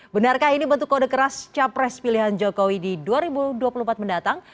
benarkah ini bentuk kode keras capres pilihan jokowi di dua ribu dua puluh empat mendatang